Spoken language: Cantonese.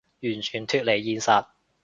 完全脫離現實